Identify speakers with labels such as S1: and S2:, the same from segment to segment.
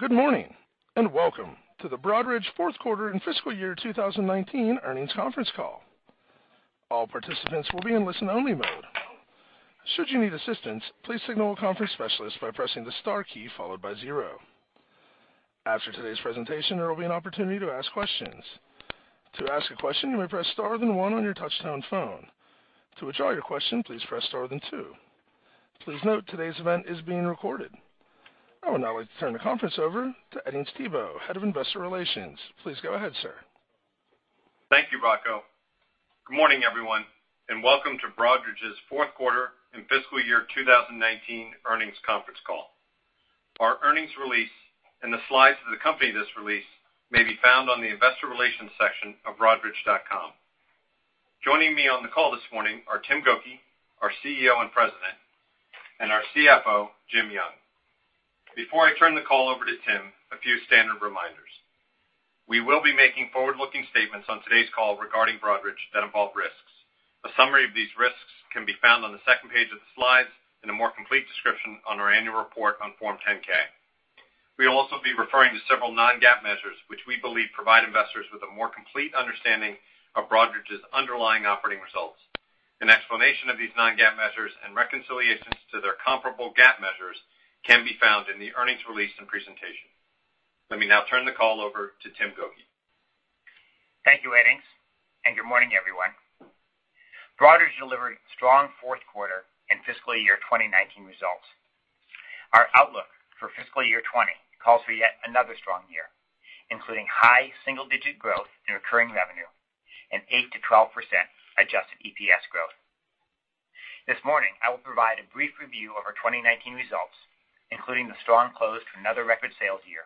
S1: Good morning, and welcome to the Broadridge fourth quarter and fiscal year 2019 earnings conference call. All participants will be in listen only mode. Should you need assistance, please signal a conference specialist by pressing the star key followed by 0. After today's presentation, there will be an opportunity to ask questions. To ask a question, you may press star then 1 on your touchtone phone. To withdraw your question, please press star then 2. Please note, today's event is being recorded. I would now like to turn the conference over to Edings Thibault, Head of Investor Relations. Please go ahead, sir.
S2: Thank you, Rocco. Good morning, everyone, welcome to Broadridge's fourth quarter and fiscal year 2019 earnings conference call. Our earnings release and the slides that accompany this release may be found on the investor relations section of broadridge.com. Joining me on the call this morning are Tim Gokey, our CEO and President, our CFO, Jim Young. Before I turn the call over to Tim, a few standard reminders. We will be making forward-looking statements on today's call regarding Broadridge that involve risks. A summary of these risks can be found on the second page of the slides, a more complete description on our annual report on Form 10-K. We'll also be referring to several non-GAAP measures, which we believe provide investors with a more complete understanding of Broadridge's underlying operating results. An explanation of these non-GAAP measures and reconciliations to their comparable GAAP measures can be found in the earnings release and presentation. Let me now turn the call over to Tim Gokey.
S3: Thank you, Eddings, and good morning, everyone. Broadridge delivered strong fourth quarter and fiscal year 2019 results. Our outlook for fiscal year 2020 calls for yet another strong year, including high single-digit growth in recurring revenue and 8%-12% adjusted EPS growth. This morning, I will provide a brief review of our 2019 results, including the strong close to another record sales year.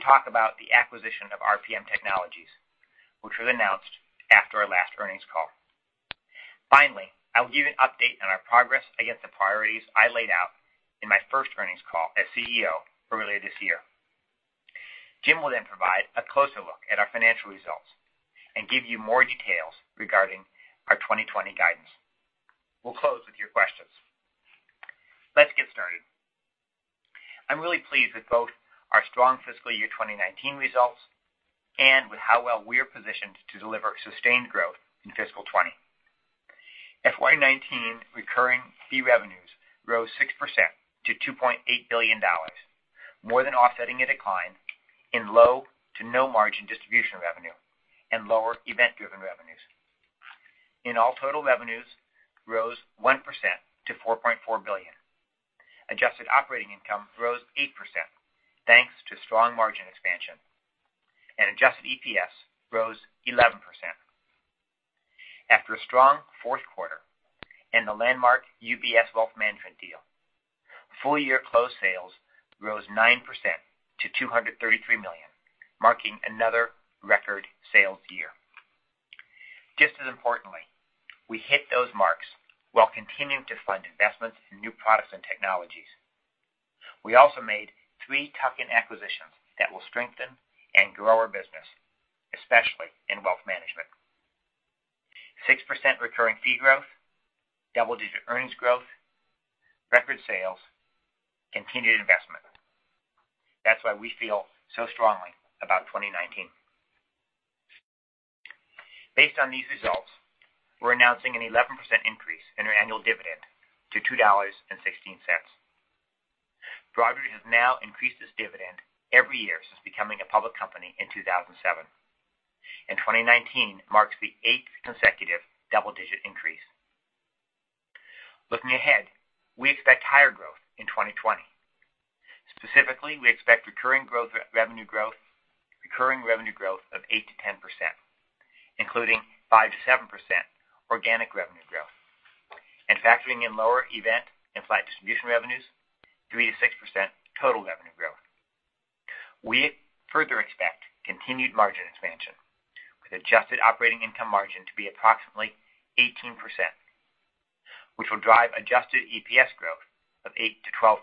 S3: Talk about the acquisition of RPM Technologies, which was announced after our last earnings call. I will give an update on our progress against the priorities I laid out in my first earnings call as CEO earlier this year. Jim will provide a closer look at our financial results and give you more details regarding our 2020 guidance. We'll close with your questions. Let's get started. I'm really pleased with both our strong fiscal year 2019 results and with how well we're positioned to deliver sustained growth in fiscal 2020. FY 2019 recurring fee revenues rose 6% to $2.8 billion, more than offsetting a decline in low to no margin distribution revenue and lower event-driven revenues. Total revenues rose 1% to $4.4 billion. Adjusted operating income rose 8%, thanks to strong margin expansion, and adjusted EPS rose 11%. After a strong fourth quarter and the landmark UBS Wealth Management deal, full-year closed sales rose 9% to $233 million, marking another record sales year. We hit those marks while continuing to fund investments in new products and technologies. We also made three tuck-in acquisitions that will strengthen and grow our business, especially in wealth management. 6% recurring fee growth, double-digit earnings growth, record sales, continued investment. That's why we feel so strongly about 2019. Based on these results, we're announcing an 11% increase in our annual dividend to $2.16. Broadridge has now increased its dividend every year since becoming a public company in 2007, and 2019 marks the eighth consecutive double-digit increase. Looking ahead, we expect higher growth in 2020. Specifically, we expect recurring revenue growth of 8%-10%, including 5%-7% organic revenue growth, and factoring in lower event and flat distribution revenues, 3%-6% total revenue growth. We further expect continued margin expansion, with adjusted operating income margin to be approximately 18%, which will drive adjusted EPS growth of 8%-12%.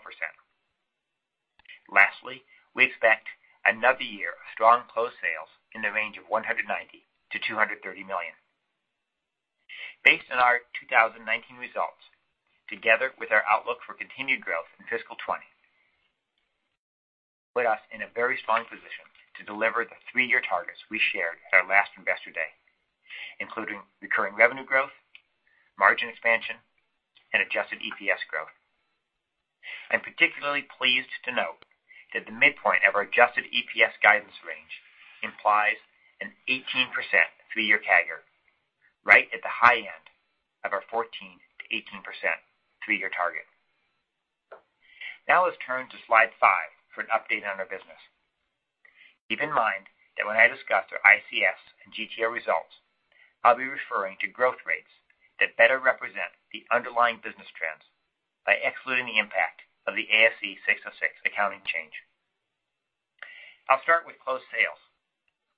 S3: Lastly, we expect another year of strong closed sales in the range of $190 million-$230 million. Based on our 2019 results, together with our outlook for continued growth in fiscal 2020, put us in a very strong position to deliver the three-year targets we shared at our last Investor Day, including recurring revenue growth, margin expansion, and adjusted EPS growth. I'm particularly pleased to note that the midpoint of our adjusted EPS guidance range implies an 18% three-year CAGR, right at the high end of our 14%-18% three-year target. Let's turn to slide five for an update on our business. Keep in mind that when I discuss our ICS and GTO results, I'll be referring to growth rates that better represent the underlying business trends by excluding the impact of the ASC 606 accounting change. I'll start with closed sales,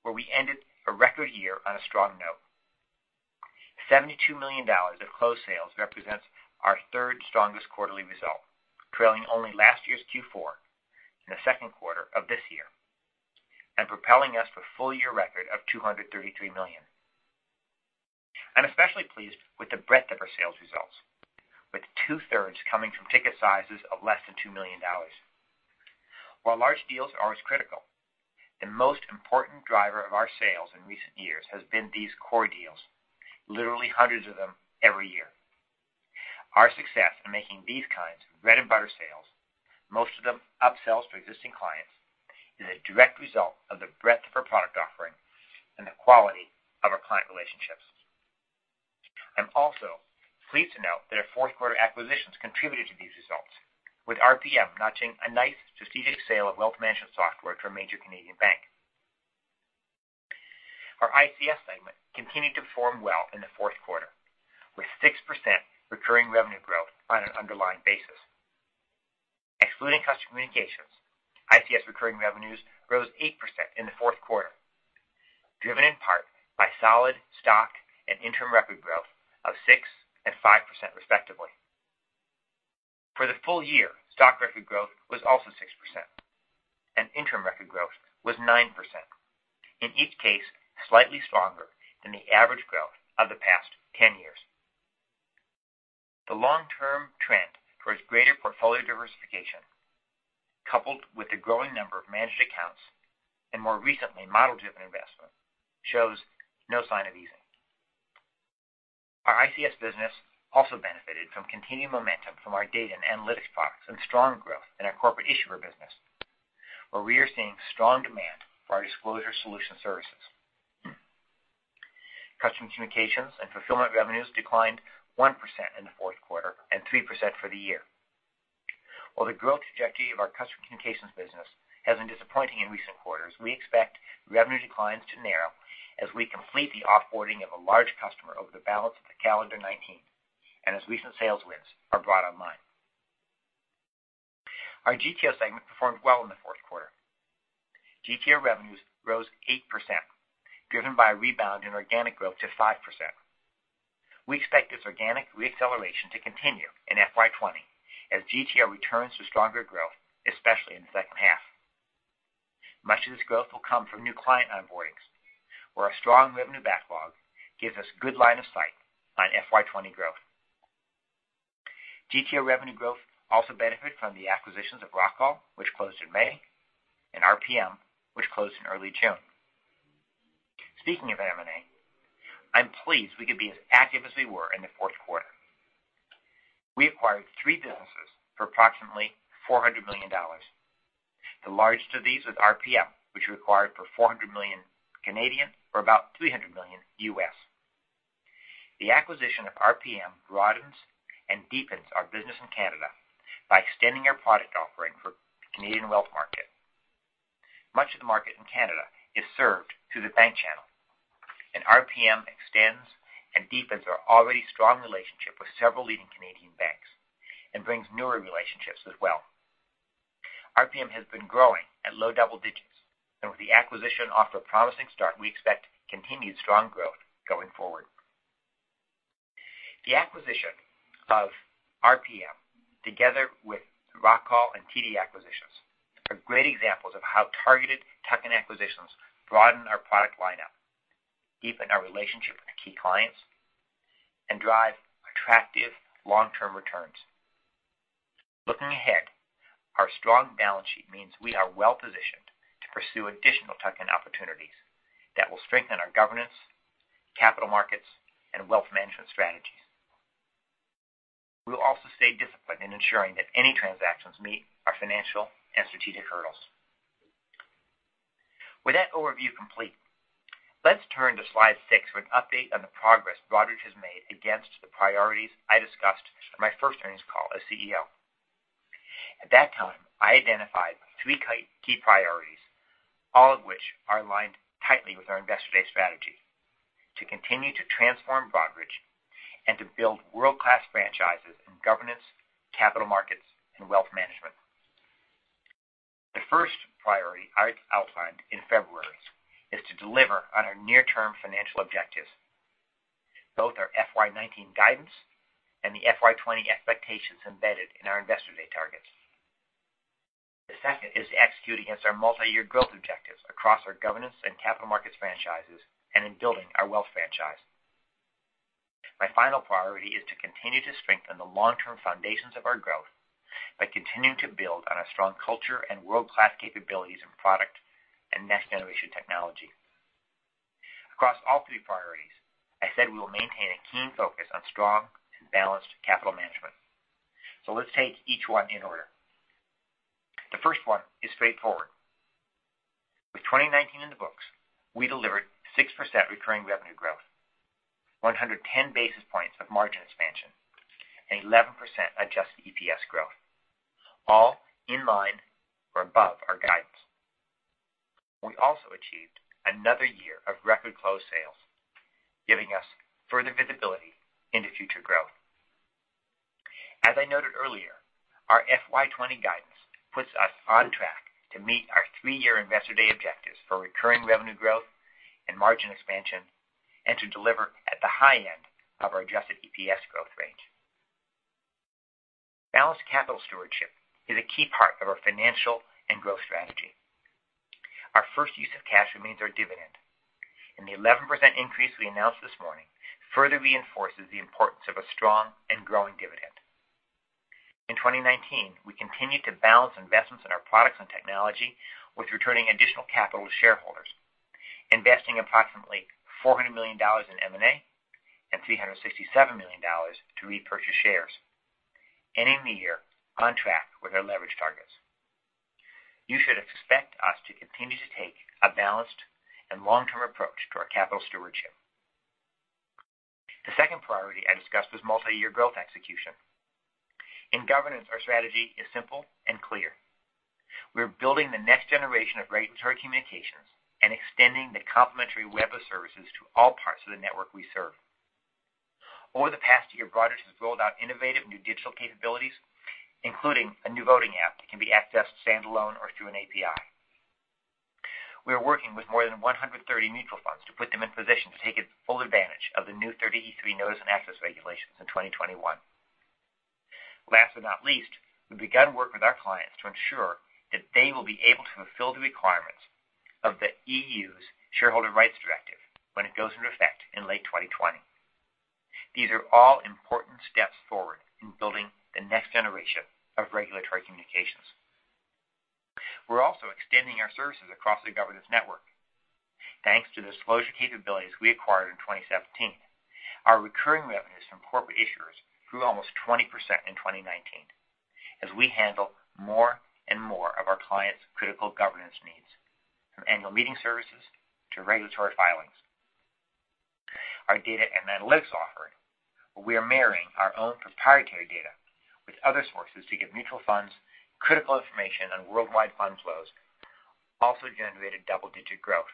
S3: where we ended a record year on a strong note. $72 million of closed sales represents our third strongest quarterly result, trailing only last year's Q4 and the second quarter of this year, and propelling us to a full-year record of $233 million. Especially pleased with the breadth of our sales results, with two-thirds coming from ticket sizes of less than $2 million. While large deals are as critical, the most important driver of our sales in recent years has been these core deals, literally hundreds of them every year. Our success in making these kinds of bread and butter sales, most of them upsells to existing clients, is a direct result of the breadth of our product offering and the quality of our client relationships. I'm also pleased to note that our fourth quarter acquisitions contributed to these results, with RPM notching a nice strategic sale of wealth management software to a major Canadian bank. Our ICS segment continued to perform well in the fourth quarter, with 6% recurring revenue growth on an underlying basis. Excluding customer communications, ICS recurring revenues rose 8% in the fourth quarter, driven in part by solid stock and interim record growth of 6% and 5% respectively. For the full year, stock record growth was also 6%, and interim record growth was 9%, in each case, slightly stronger than the average growth of the past 10 years. The long-term trend towards greater portfolio diversification, coupled with the growing number of managed accounts and more recently, model-driven investment, shows no sign of easing. Our ICS business also benefited from continued momentum from our data and analytics products and strong growth in our corporate issuer business, where we are seeing strong demand for our disclosure solution services. Customer communications and fulfillment revenues declined 1% in the fourth quarter and 3% for the year. While the growth trajectory of our customer communications business has been disappointing in recent quarters, we expect revenue declines to narrow as we complete the off-boarding of a large customer over the balance of the calendar 2019, and as recent sales wins are brought online. Our GTO segment performed well in the fourth quarter. GTO revenues rose 8%, driven by a rebound in organic growth to 5%. We expect this organic re-acceleration to continue in FY 2020 as GTO returns to stronger growth, especially in the second half. Much of this growth will come from new client onboardings, where our strong revenue backlog gives us good line of sight on FY 2020 growth. GTO revenue growth also benefit from the acquisitions of Rockall, which closed in May, and RPM, which closed in early June. Speaking of M&A, I'm pleased we could be as active as we were in the fourth quarter. We acquired three businesses for approximately $400 million. The largest of these was RPM, which we acquired for 400 million or about $300 million. The acquisition of RPM broadens and deepens our business in Canada by extending our product offering for Canadian wealth market. Much of the market in Canada is served through the bank channel, and RPM extends and deepens our already strong relationship with several leading Canadian banks and brings newer relationships as well. RPM has been growing at low double digits, and with the acquisition off to a promising start, we expect continued strong growth going forward. The acquisition of RPM, together with Rockall and TD acquisitions, are great examples of how targeted tuck-in acquisitions broaden our product lineup, deepen our relationship with key clients, and drive attractive long-term returns. Looking ahead, our strong balance sheet means we are well-positioned to pursue additional tuck-in opportunities that will strengthen our governance, capital markets, and wealth management strategies. We'll also stay disciplined in ensuring that any transactions meet our financial and strategic hurdles. With that overview complete, let's turn to slide six for an update on the progress Broadridge has made against the priorities I discussed on my first earnings call as CEO. At that time, I identified three key priorities, all of which are aligned tightly with our Investor Day strategy. To continue to transform Broadridge, and to build world-class franchises in governance, capital markets, and wealth management. The first priority I outlined in February is to deliver on our near-term financial objectives, both our FY 2019 guidance and the FY 2020 expectations embedded in our Investor Day targets. The second is to execute against our multi-year growth objectives across our governance and capital markets franchises and in building our wealth franchise. My final priority is to continue to strengthen the long-term foundations of our growth by continuing to build on a strong culture and world-class capabilities in product and next-generation technology. Across all three priorities, I said we will maintain a keen focus on strong and balanced capital management. Let's take each one in order. The first one is straightforward. With 2019 in the books, we delivered 6% recurring revenue growth, 110 basis points of margin expansion, and 11% adjusted EPS growth, all in line or above our guidance. We also achieved another year of record sales, giving us further visibility into future growth. As I noted earlier, our FY 2020 guidance puts us on track to meet our three-year Investor Day objectives for recurring revenue growth and margin expansion, and to deliver at the high end of our adjusted EPS growth range. A key part of our financial and growth strategy. Our first use of cash remains our dividend. The 11% increase we announced this morning further reinforces the importance of a strong and growing dividend. In 2019, we continued to balance investments in our products and technology with returning additional capital to shareholders, investing approximately $400 million in M&A and $367 million to repurchase shares, ending the year on track with our leverage targets. You should expect us to continue to take a balanced and long-term approach to our capital stewardship. The second priority I discussed was multi-year growth execution. In governance, our strategy is simple and clear. We're building the next generation of regulatory communications and extending the complementary web of services to all parts of the network we serve. Over the past year, Broadridge has rolled out innovative new digital capabilities, including a new voting app that can be accessed standalone or through an API. We are working with more than 130 mutual funds to put them in position to take full advantage of the new Rule 30e-3 notice and access regulations in 2021. Last but not least, we began work with our clients to ensure that they will be able to fulfill the requirements of the EU's Shareholder Rights Directive when it goes into effect in late 2020. These are all important steps forward in building the next generation of regulatory communications. We're also extending our services across the governance network. Thanks to the disclosure capabilities we acquired in 2017, our recurring revenues from corporate issuers grew almost 20% in 2019, as we handle more and more of our clients' critical governance needs, from annual meeting services to regulatory filings. Our data and analytics offering, where we are marrying our own proprietary data with other sources to give mutual funds critical information on worldwide fund flows, also generated double-digit growth.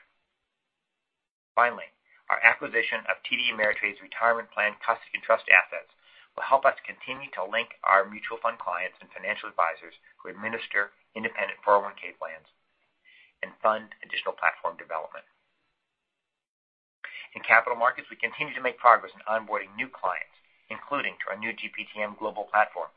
S3: Finally, our acquisition of TD Ameritrade's retirement plan custody and trust assets will help us continue to link our mutual fund clients and financial advisors who administer independent 401 plans and fund additional platform development. In capital markets, we continue to make progress in onboarding new clients, including to our new GPTM global platform.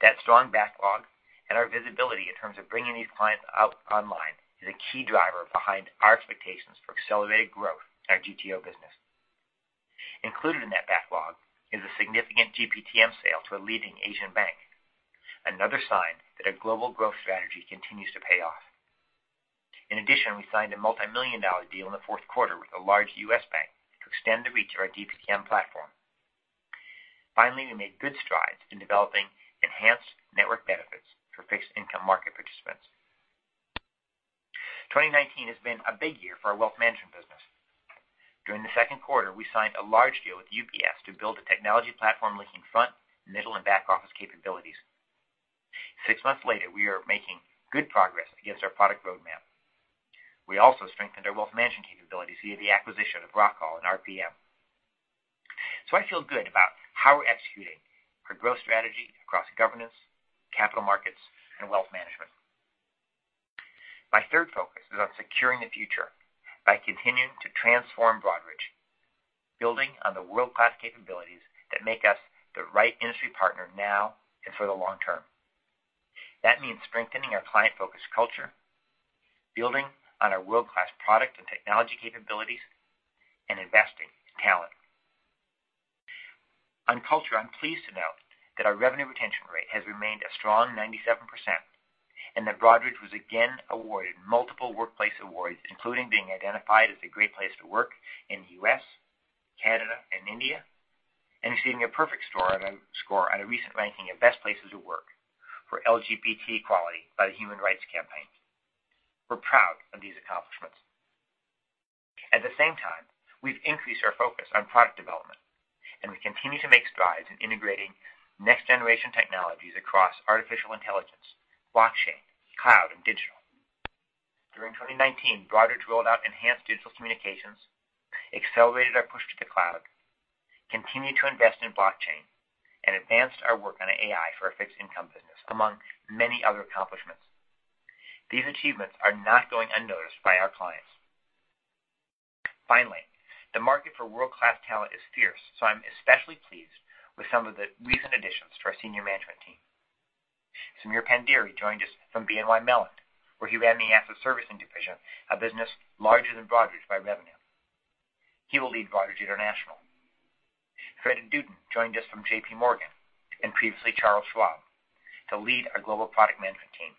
S3: That strong backlog and our visibility in terms of bringing these clients online is a key driver behind our expectations for accelerated growth in our GTO business. Included in that backlog is a significant GPTM sale to a leading Asian bank, another sign that our global growth strategy continues to pay off. In addition, we signed a multi-million dollar deal in the fourth quarter with a large U.S. bank to extend the reach of our DPTM platform. Finally, we made good strides in developing enhanced network benefits for fixed-income market participants. 2019 has been a big year for our wealth management business. During the second quarter, we signed a large deal with UBS to build a technology platform linking front, middle, and back-office capabilities. Six months later, we are making good progress against our product roadmap. We also strengthened our wealth management capabilities via the acquisition of Rockall and RPM. I feel good about how we're executing our growth strategy across governance, capital markets, and wealth management. My third focus is on securing the future by continuing to transform Broadridge, building on the world-class capabilities that make us the right industry partner now and for the long term. That means strengthening our client-focused culture, building on our world-class product and technology capabilities, and investing in talent. On culture, I'm pleased to note that our revenue retention rate has remained a strong 97%, and that Broadridge was again awarded multiple workplace awards, including being identified as a great place to work in the U.S., Canada, and India, and receiving a perfect score on a recent ranking of best places to work for LGBT equality by the Human Rights Campaign. We're proud of these accomplishments. At the same time, we've increased our focus on product development, and we continue to make strides in integrating next-generation technologies across artificial intelligence, blockchain, cloud, and digital. During 2019, Broadridge rolled out enhanced digital communications, accelerated our push to the cloud, continued to invest in blockchain, and advanced our work on AI for our fixed income business, among many other accomplishments. These achievements are not going unnoticed by our clients. Finally, the market for world-class talent is fierce, so I'm especially pleased with some of the recent additions to our senior management team. Samir Pandiri joined us from BNY Mellon, where he ran the asset servicing division, a business larger than Broadridge by revenue. He will lead Broadridge International. Fred Duden joined us from JP Morgan, and previously Charles Schwab, to lead our global product management team.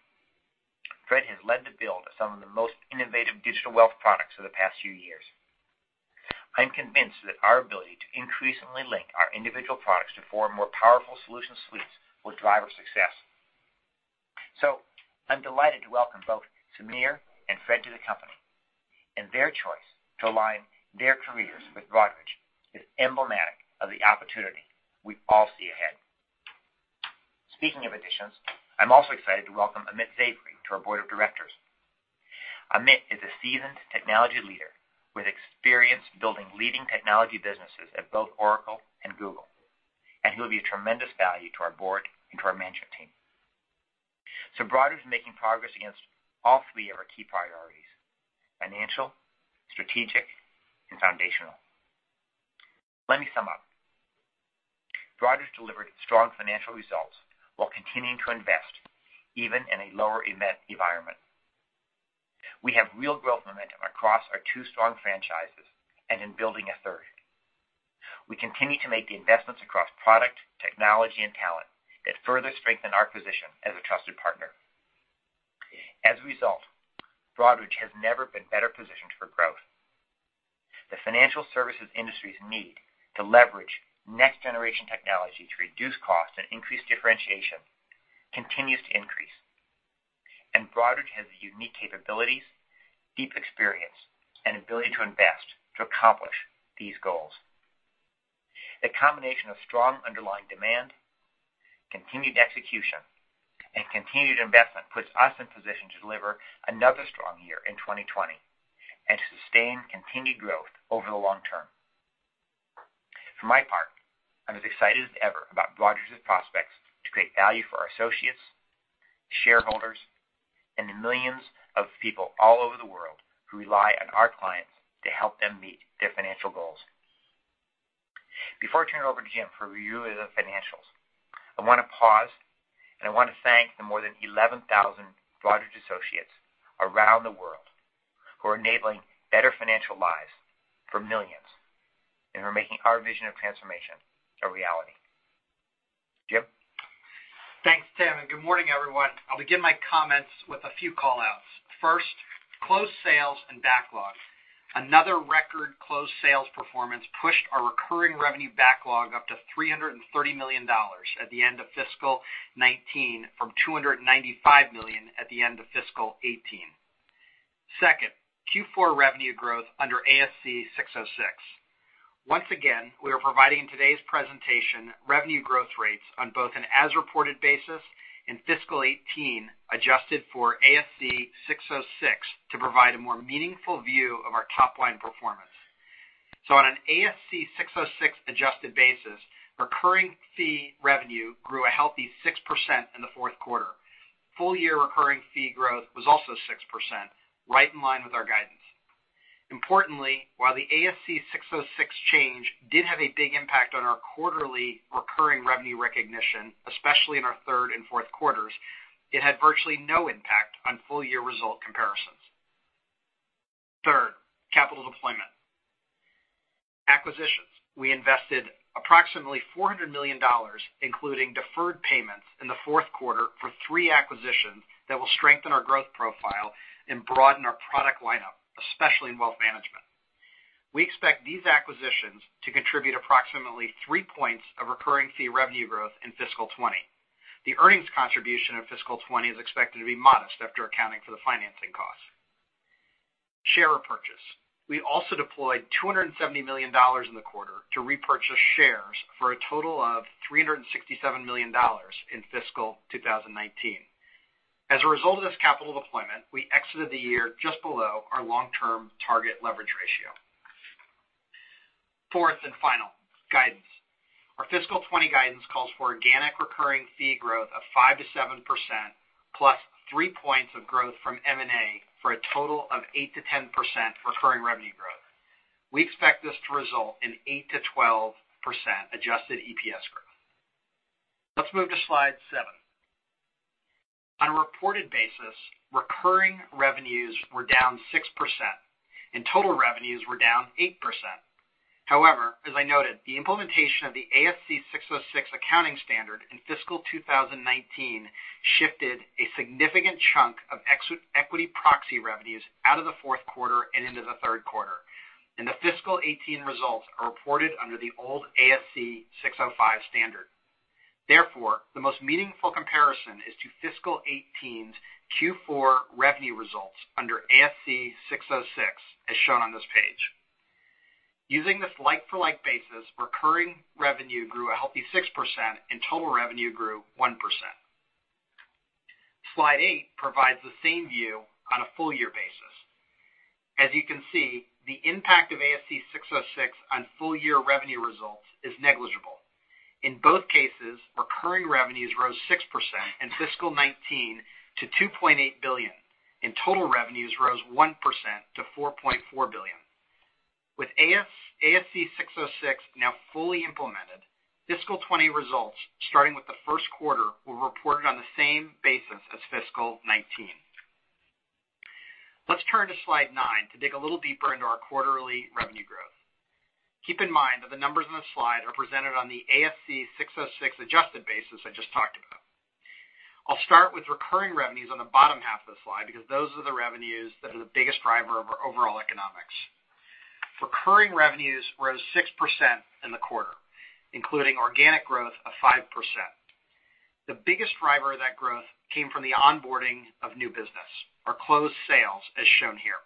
S3: Fred has led the build of some of the most innovative digital wealth products of the past few years. I'm convinced that our ability to increasingly link our individual products to form more powerful solution suites will drive our success. I'm delighted to welcome both Samir and Fred to the company, and their choice to align their careers with Broadridge is emblematic of the opportunity we all see ahead. Speaking of additions, I'm also excited to welcome Amit Zavery to our board of directors. Amit is a seasoned technology leader with experience building leading technology businesses at both Oracle and Google, and he will be a tremendous value to our board and to our management team. Broadridge is making progress against all three of our key priorities: financial, strategic, and foundational. Let me sum up. Broadridge delivered strong financial results while continuing to invest even in a lower event environment. We have real growth momentum across our two strong franchises and in building a third. We continue to make the investments across product, technology, and talent that further strengthen our position as a trusted partner. As a result, Broadridge has never been better positioned for growth. The financial services industry's need to leverage next-generation technology to reduce costs and increase differentiation continues to increase. Broadridge has the unique capabilities, deep experience, and ability to invest to accomplish these goals. The combination of strong underlying demand, continued execution, and continued investment puts us in position to deliver another strong year in 2020 and to sustain continued growth over the long term. For my part, I'm as excited as ever about Broadridge's prospects to create value for our associates, shareholders, and the millions of people all over the world who rely on our clients to help them meet their financial goals. Before I turn it over to Jim for a review of the financials, I want to pause, and I want to thank the more than 11,000 Broadridge associates around the world who are enabling better financial lives for millions and who are making our vision of transformation a reality. Jim?
S4: Thanks, Tim. Good morning, everyone. I'll begin my comments with a few call-outs. First, closed sales and backlog. Another record closed sales performance pushed our recurring revenue backlog up to $330 million at the end of fiscal 2019 from $295 million at the end of fiscal 2018. Second, Q4 revenue growth under ASC 606. Once again, we are providing in today's presentation revenue growth rates on both an as-reported basis in fiscal 2018, adjusted for ASC 606 to provide a more meaningful view of our top-line performance. On an ASC 606 adjusted basis, recurring fee revenue grew a healthy 6% in the fourth quarter. Full-year recurring fee growth was also 6%, right in line with our guidance. Importantly, while the ASC 606 change did have a big impact on our quarterly recurring revenue recognition, especially in our third and fourth quarters, it had virtually no impact on full-year result comparisons. Third, capital deployment. Acquisitions. We invested approximately $400 million, including deferred payments in the fourth quarter for three acquisitions that will strengthen our growth profile and broaden our product lineup, especially in wealth management. We expect these acquisitions to contribute approximately three points of recurring fee revenue growth in fiscal 2020. The earnings contribution in fiscal 2020 is expected to be modest after accounting for the financing cost. Share repurchase. We also deployed $270 million in the quarter to repurchase shares for a total of $367 million in fiscal 2019. As a result of this capital deployment, we exited the year just below our long-term target leverage ratio. Fourth and final, guidance. Our fiscal 2020 guidance calls for organic recurring fee growth of 5%-7%, plus three points of growth from M&A for a total of 8%-10% recurring revenue growth. We expect this to result in 8%-12% adjusted EPS growth. Let's move to slide seven. On a reported basis, recurring revenues were down 6%, and total revenues were down 8%. However, as I noted, the implementation of the ASC 606 accounting standard in fiscal 2019 shifted a significant chunk of equity proxy revenues out of the fourth quarter and into the third quarter. The fiscal 2018 results are reported under the old ASC 605 standard. Therefore, the most meaningful comparison is to fiscal 2018's Q4 revenue results under ASC 606, as shown on this page. Using this like-for-like basis, recurring revenue grew a healthy 6%, and total revenue grew 1%. Slide eight provides the same view on a full-year basis. As you can see, the impact of ASC 606 on full-year revenue results is negligible. In both cases, recurring revenues rose 6% in fiscal 2019 to $2.8 billion, and total revenues rose 1% to $4.4 billion. With ASC 606 now fully implemented, fiscal 2020 results starting with the first quarter were reported on the same basis as fiscal 2019. Let's turn to slide nine to dig a little deeper into our quarterly revenue growth. Keep in mind that the numbers in this slide are presented on the ASC 606 adjusted basis I just talked about. I'll start with recurring revenues on the bottom half of the slide because those are the revenues that are the biggest driver of our overall economics. Recurring revenues rose 6% in the quarter, including organic growth of 5%. The biggest driver of that growth came from the onboarding of new business or closed sales, as shown here.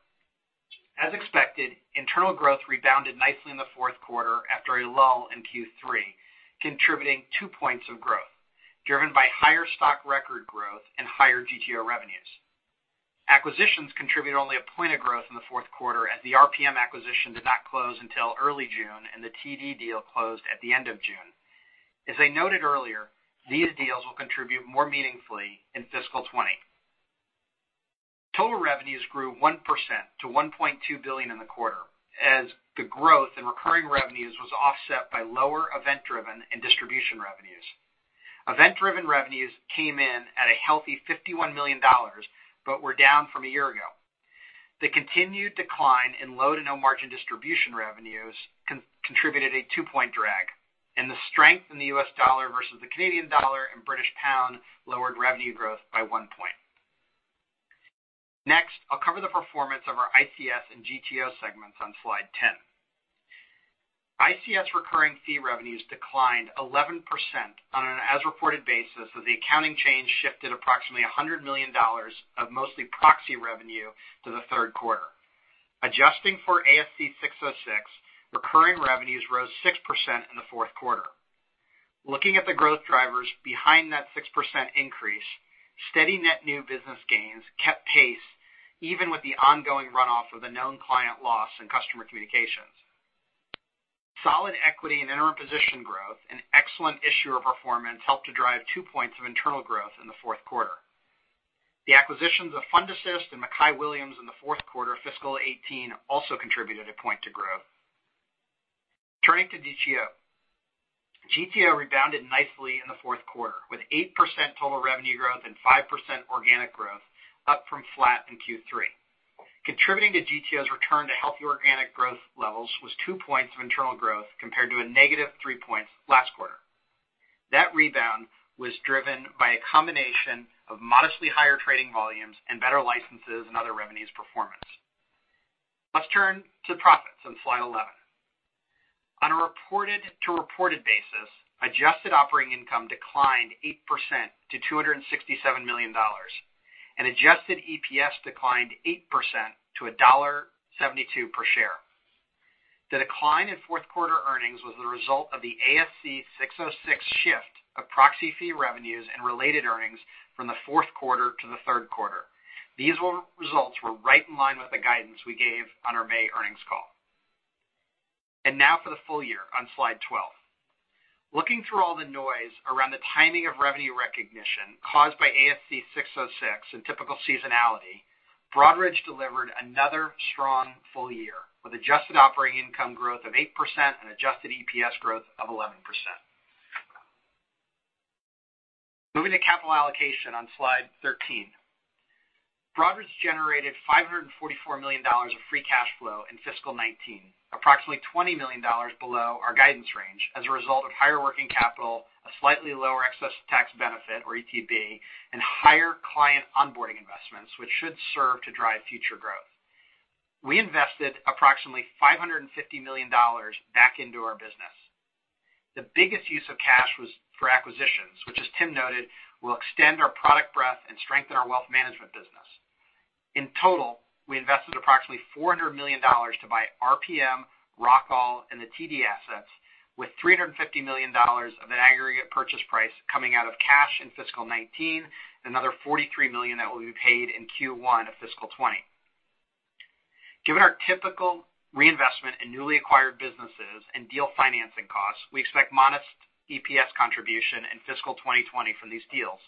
S4: As expected, internal growth rebounded nicely in the fourth quarter after a lull in Q3, contributing two points of growth, driven by higher stock record growth and higher GTO revenues. Acquisitions contributed only one point of growth in the fourth quarter as the RPM acquisition did not close until early June, and the TD deal closed at the end of June. As I noted earlier, these deals will contribute more meaningfully in fiscal 2020. Total revenues grew 1% to $1.2 billion in the quarter, as the growth in recurring revenues was offset by lower event-driven and distribution revenues. Event-driven revenues came in at a healthy $51 million, but were down from a year ago. The continued decline in low to no margin distribution revenues contributed a two-point drag, and the strength in the U.S. dollar versus the Canadian dollar and British pound lowered revenue growth by one point. Next, I'll cover the performance of our ICS and GTO segments on slide 10. ICS recurring fee revenues declined 11% on an as reported basis, as the accounting change shifted approximately $100 million of mostly proxy revenue to the third quarter. Adjusting for ASC 606, recurring revenues rose 6% in the fourth quarter. Looking at the growth drivers behind that 6% increase, steady net new business gains kept pace even with the ongoing runoff of a known client loss in customer communications. Solid equity and interim position growth and excellent issuer performance helped to drive two points of internal growth in the fourth quarter. The acquisitions of FundAssist and MackayWilliams in the fourth quarter of fiscal 2018 also contributed a point to growth. Turning to GTO. GTO rebounded nicely in the fourth quarter with 8% total revenue growth and 5% organic growth up from flat in Q3. Contributing to GTO's return to healthy organic growth levels was two points of internal growth compared to a negative three points last quarter. That rebound was driven by a combination of modestly higher trading volumes and better licenses and other revenues performance. Let's turn to profits on slide 11. On a reported-to-reported basis, adjusted operating income declined 8% to $267 million. Adjusted EPS declined 8% to $1.72 per share. The decline in fourth quarter earnings was the result of the ASC 606 shift of proxy fee revenues and related earnings from the fourth quarter to the third quarter. These results were right in line with the guidance we gave on our May earnings call. Now for the full year on slide 12. Looking through all the noise around the timing of revenue recognition caused by ASC 606 and typical seasonality, Broadridge delivered another strong full year, with adjusted operating income growth of 8% and adjusted EPS growth of 11%. Moving to capital allocation on slide 13. Broadridge generated $544 million of free cash flow in fiscal 2019, approximately $20 million below our guidance range as a result of higher working capital, a slightly lower excess tax benefit or ETB, and higher client onboarding investments, which should serve to drive future growth. We invested approximately $550 million back into our business. The biggest use of cash was for acquisitions, which as Tim noted, will extend our product breadth and strengthen our wealth management business. In total, we invested approximately $400 million to buy RPM, Rockall, and the TD assets with $350 million of an aggregate purchase price coming out of cash in fiscal 2019, another $43 million that will be paid in Q1 of fiscal 2020. Given our typical reinvestment in newly acquired businesses and deal financing costs, we expect modest EPS contribution in fiscal 2020 from these deals,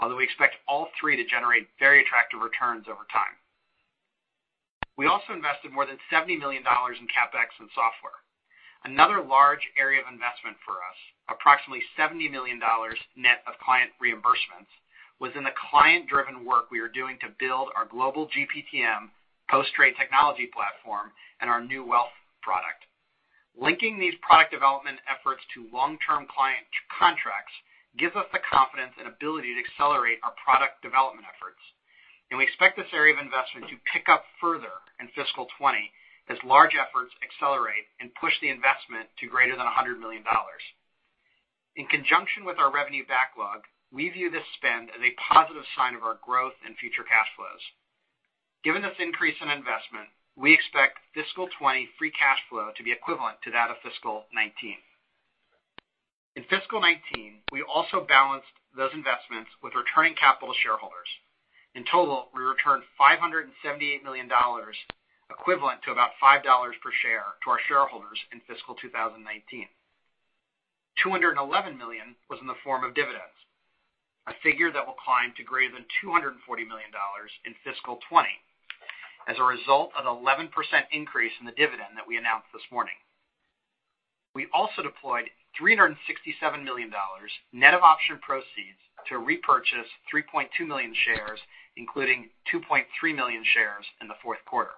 S4: although we expect all three to generate very attractive returns over time. We also invested more than $70 million in CapEx and software. Another large area of investment for us, approximately $70 million net of client reimbursements, was in the client-driven work we are doing to build our global GPTM post-trade technology platform and our new wealth product. Linking these product development efforts to long-term client contracts gives us the confidence and ability to accelerate our product development efforts. We expect this area of investment to pick up further in fiscal 2020 as large efforts accelerate and push the investment to greater than $100 million. In conjunction with our revenue backlog, we view this spend as a positive sign of our growth and future cash flows. Given this increase in investment, we expect fiscal 2020 free cash flow to be equivalent to that of fiscal 2019. In fiscal 2019, we also balanced those investments with returning capital to shareholders. In total, we returned $578 million, equivalent to about $5 per share to our shareholders in fiscal 2019. $211 million was in the form of dividends, a figure that will climb to greater than $240 million in fiscal 2020 as a result of the 11% increase in the dividend that we announced this morning. We also deployed $367 million, net of option proceeds, to repurchase 3.2 million shares, including 2.3 million shares in the fourth quarter.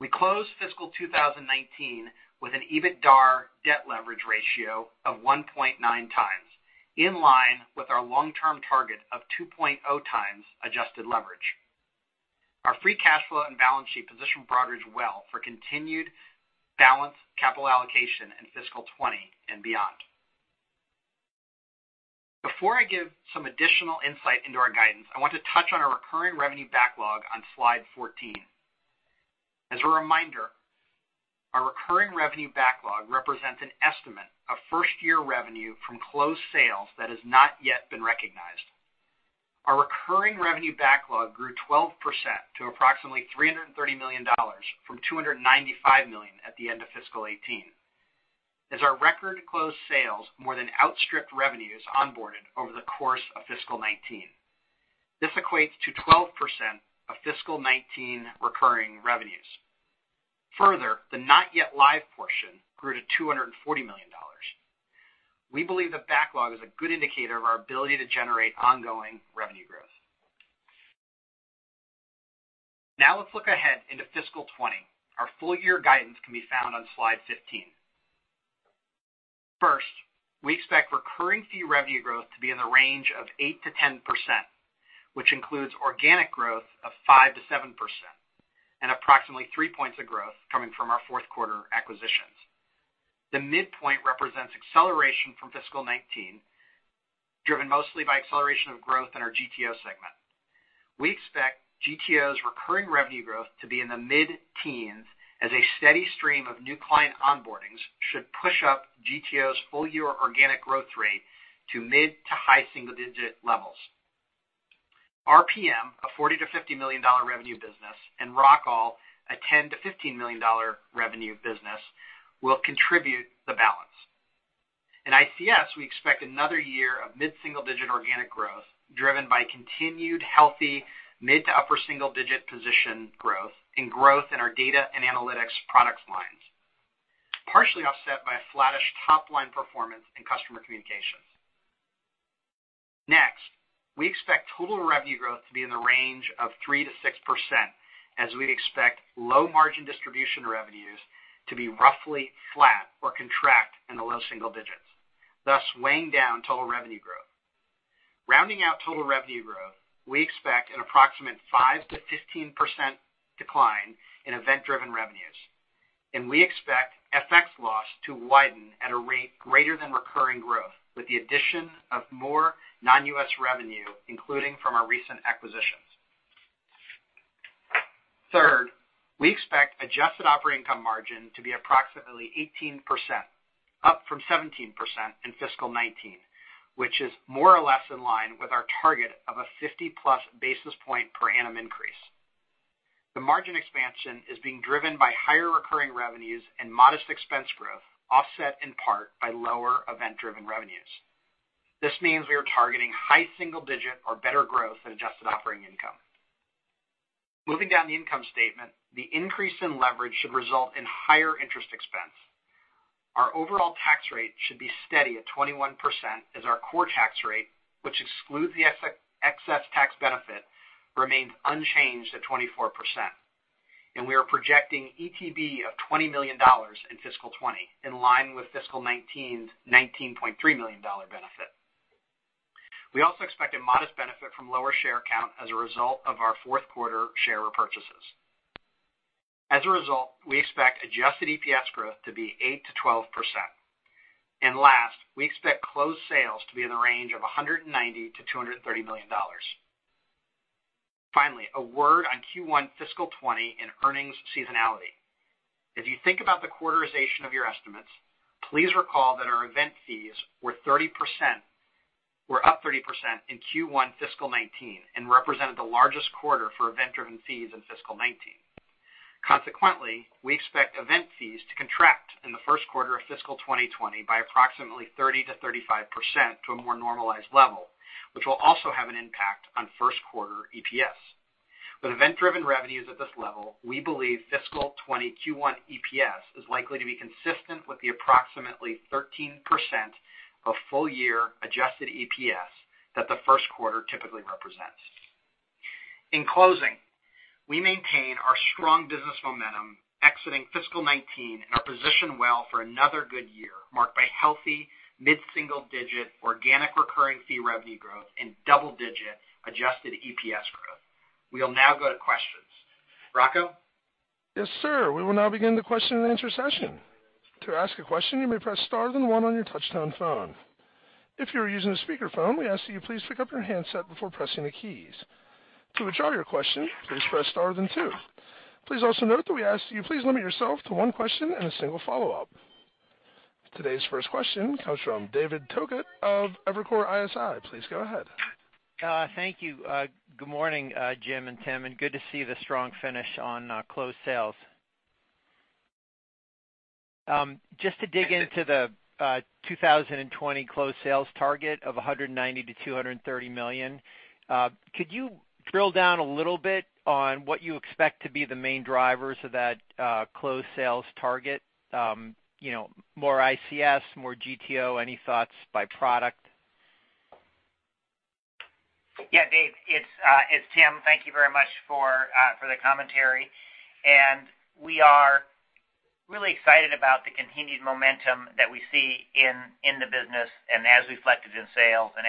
S4: We closed fiscal 2019 with an EBITDAR debt leverage ratio of 1.9 times, in line with our long-term target of 2.0 times adjusted leverage. Our free cash flow and balance sheet position Broadridge well for continued balanced capital allocation in fiscal 2020 and beyond. Before I give some additional insight into our guidance, I want to touch on our recurring revenue backlog on slide 14. As a reminder, our recurring revenue backlog represents an estimate of first-year revenue from closed sales that has not yet been recognized. Our recurring revenue backlog grew 12% to approximately $330 million from $295 million at the end of fiscal 2018. Our record closed sales more than outstripped revenues onboarded over the course of fiscal 2019. This equates to 12% of fiscal 2019 recurring revenues. The not yet live portion grew to $240 million. We believe that backlog is a good indicator of our ability to generate ongoing revenue growth. Let's look ahead into fiscal 2020. Our full year guidance can be found on slide 15. We expect recurring fee revenue growth to be in the range of 8%-10%, which includes organic growth of 5%-7%, and approximately three points of growth coming from our fourth quarter acquisitions. The midpoint represents acceleration from fiscal 2019, driven mostly by acceleration of growth in our GTO segment. We expect GTO's recurring revenue growth to be in the mid-teens as a steady stream of new client onboardings should push up GTO's full-year organic growth rate to mid-to-high single digit levels. RPM, a $40 million-$50 million revenue business, and Rockall, a $10 million-$15 million revenue business, will contribute the balance. In ICS, we expect another year of mid-single digit organic growth driven by continued healthy mid to upper single digit position growth and growth in our data and analytics product lines, partially offset by a flattish top-line performance in customer communications. We expect total revenue growth to be in the range of 3%-6% as we expect low margin distribution revenues to be roughly flat or contract in the low single digits, thus weighing down total revenue growth. Rounding out total revenue growth, we expect an approximate 5%-15% decline in event-driven revenues, and we expect FX loss to widen at a rate greater than recurring growth with the addition of more non-U.S. revenue, including from our recent acquisitions. Third, we expect adjusted operating income margin to be approximately 18%, up from 17% in fiscal 2019, which is more or less in line with our target of a 50-plus basis point per annum increase. The margin expansion is being driven by higher recurring revenues and modest expense growth, offset in part by lower event-driven revenues. This means we are targeting high single-digit or better growth in adjusted operating income. Moving down the income statement, the increase in leverage should result in higher interest expense. Our overall tax rate should be steady at 21% as our core tax rate, which excludes the excess tax benefit, remains unchanged at 24%. We are projecting ETB of $20 million in fiscal 2020, in line with fiscal 2019's $19.3 million benefit. We also expect a modest benefit from lower share count as a result of our fourth quarter share repurchases. As a result, we expect adjusted EPS growth to be 8%-12%. Last, we expect closed sales to be in the range of $190 million-$230 million. Finally, a word on Q1 fiscal 2020 in earnings seasonality. If you think about the quarterization of your estimates, please recall that our event fees were up 30% in Q1 fiscal 2019, and represented the largest quarter for event-driven fees in fiscal 2019. Consequently, we expect event fees to contract in the first quarter of fiscal 2020 by approximately 30%-35% to a more normalized level, which will also have an impact on first quarter EPS. With event-driven revenues at this level, we believe fiscal 2020 Q1 EPS is likely to be consistent with the approximately 13% of full year adjusted EPS that the first quarter typically represents. In closing, we maintain our strong business momentum exiting fiscal 2019 and are positioned well for another good year, marked by healthy mid-single digit organic recurring fee revenue growth and double-digit adjusted EPS growth. We will now go to questions. Rocco?
S1: Yes, sir. We will now begin the question and answer session. To ask a question, you may press star then one on your touchtone phone. If you are using a speakerphone, we ask that you please pick up your handset before pressing the keys. To withdraw your question, please press star then two. Please also note that we ask that you please limit yourself to one question and a single follow-up. Today's first question comes from David Togut of Evercore ISI. Please go ahead.
S5: Thank you. Good morning, Jim and Tim, and good to see the strong finish on closed sales. Just to dig into the 2020 closed sales target of $190 million-$230 million, could you drill down a little bit on what you expect to be the main drivers of that closed sales target? More ICS, more GTO? Any thoughts by product?
S3: Yeah. David, it's Tim. Thank you very much for the commentary. We are really excited about the continued momentum that we see in the business and as reflected in sales and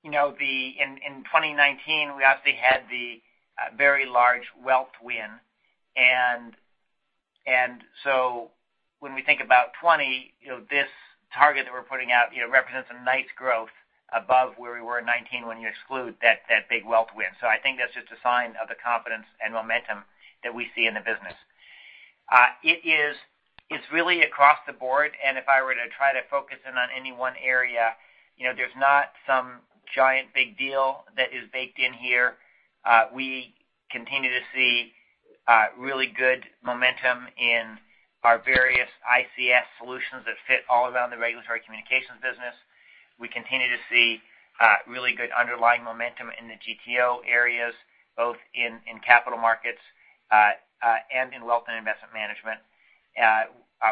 S3: as reflected in our pipeline. In 2019, we obviously had the very large wealth win. When we think about 2020, this target that we're putting out represents a nice growth above where we were in 2019 when you exclude that big wealth win. I think that's just a sign of the confidence and momentum that we see in the business. It's really across the board, and if I were to try to focus in on any one area, there's not some giant big deal that is baked in here. We continue to see really good momentum in our various ICS solutions that fit all around the regulatory communications business. We continue to see really good underlying momentum in the GTO areas, both in capital markets and in wealth and investment management.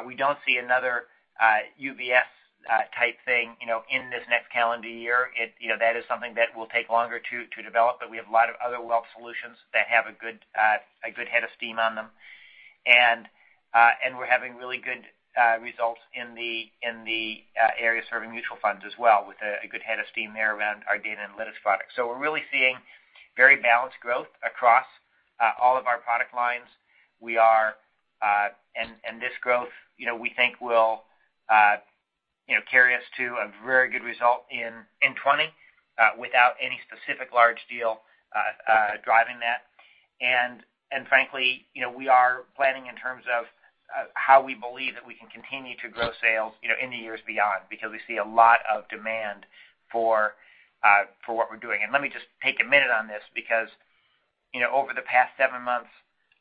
S3: We don't see another UBS type thing in this next calendar year. That is something that will take longer to develop, but we have a lot of other wealth solutions that have a good head of steam on them. We're having really good results in the areas serving mutual funds as well, with a good head of steam there around our data analytics products. We're really seeing very balanced growth across all of our product lines. This growth, we think will carry us to a very good result in 2020, without any specific large deal driving that. Frankly, we are planning in terms of how we believe that we can continue to grow sales in the years beyond, because we see a lot of demand for what we're doing. Let me just take a minute on this, because over the past seven months,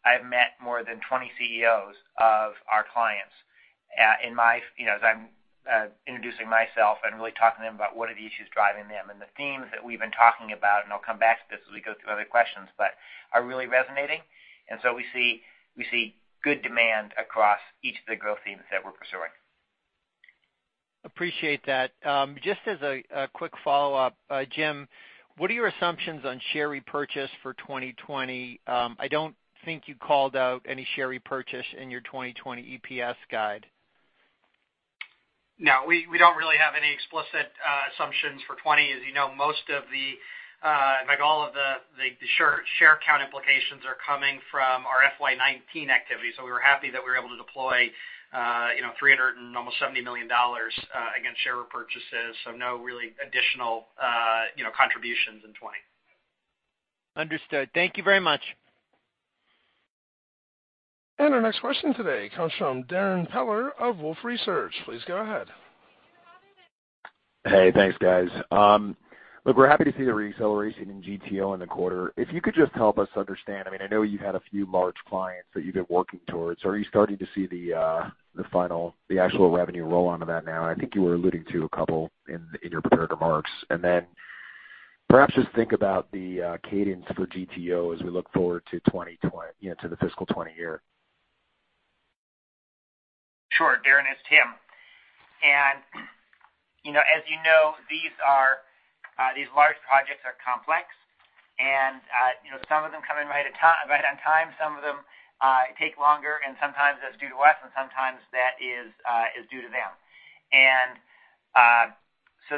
S3: I've met more than 20 CEOs of our clients. As I'm introducing myself and really talking to them about what are the issues driving them and the themes that we've been talking about, and I'll come back to this as we go through other questions, but are really resonating. We see good demand across each of the growth themes that we're pursuing.
S5: Appreciate that. Just as a quick follow-up. Jim, what are your assumptions on share repurchase for 2020? I don't think you called out any share repurchase in your 2020 EPS guide.
S4: No. We don't really have any explicit assumptions for 2020. As you know, all of the share count implications are coming from our FY 2019 activity. We were happy that we were able to deploy almost $370 million against share repurchases. No really additional contributions in 2020.
S5: Understood. Thank you very much.
S1: Our next question today comes from Darrin Peller of Wolfe Research. Please go ahead.
S6: Hey, thanks guys. Look, we're happy to see the re-acceleration in GTO in the quarter. If you could just help us understand, I know you had a few large clients that you've been working towards. Are you starting to see the actual revenue roll onto that now? I think you were alluding to a couple in your prepared remarks. Then perhaps just think about the cadence for GTO as we look forward to the fiscal 2020 year.
S3: Darrin, it's Tim. As you know, these large projects are complex, and some of them come in right on time. Some of them take longer, and sometimes that's due to us, and sometimes that is due to them.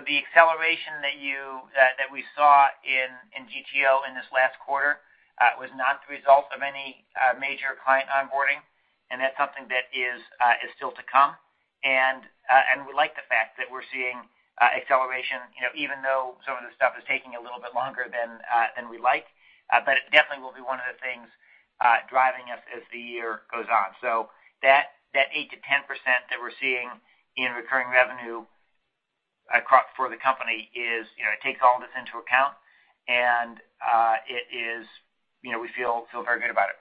S3: The acceleration that we saw in GTO in this last quarter was not the result of any major client onboarding, and that's something that is still to come. We like the fact that we're seeing acceleration even though some of the stuff is taking a little bit longer than we like. It definitely will be one of the things driving us as the year goes on. That 8%-10% that we're seeing in recurring revenue for the company takes all this into account, and we feel very good about it.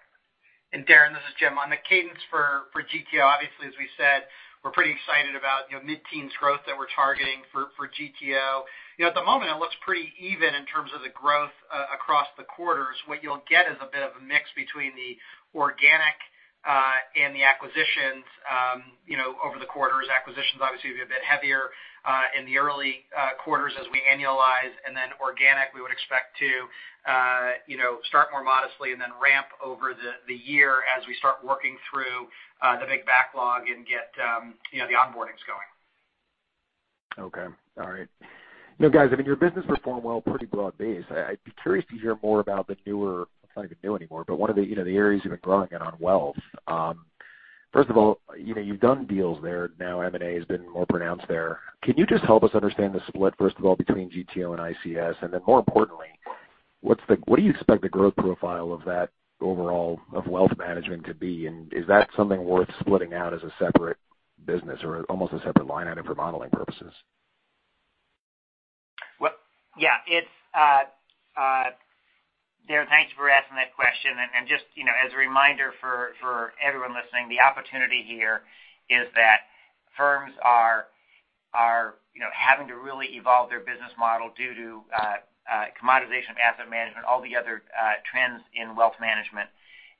S4: Darrin, this is Jim. On the cadence for GTO, obviously, as we said, we're pretty excited about mid-teens growth that we're targeting for GTO. At the moment, it looks pretty even in terms of the growth across the quarters. What you'll get is a bit of a mix between the organic and the acquisitions over the quarters. Acquisitions obviously will be a bit heavier in the early quarters as we annualize, then organic, we would expect to start more modestly and then ramp over the year as we start working through the big backlog and get the onboardings going.
S6: Okay. All right. Guys, your business performed well, pretty broad-based. I'd be curious to hear more about the newer, it's not even new anymore, but one of the areas you've been growing in on wealth. First of all, you've done deals there. M&A has been more pronounced there. Can you just help us understand the split, first of all, between GTO and ICS? More importantly, what do you expect the growth profile of that overall of wealth management to be? Is that something worth splitting out as a separate business or almost a separate line item for modeling purposes?
S3: Yeah. Darrin, thanks for asking that question. Just as a reminder for everyone listening, the opportunity here is that firms are having to really evolve their business model due to commoditization of asset management, all the other trends in wealth management.